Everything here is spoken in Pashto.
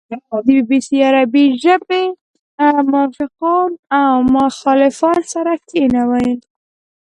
د بي بي سي عربې څانګې موافقان او مخالفان سره کېنول.